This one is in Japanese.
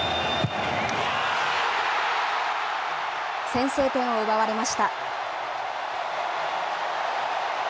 先制点を奪われました。